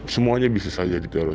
semuanya bisa saja diteror